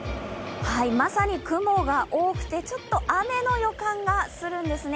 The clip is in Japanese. まさに雲が多くてちょっと雨の予感がするんですね